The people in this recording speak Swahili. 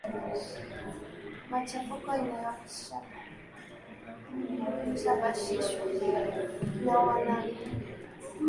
machafuko inayoshababishwa na wanamgambo wa al shabaab